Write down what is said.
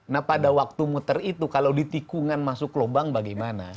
nah pada waktu muter itu kalau di tikungan masuk lubang bagaimana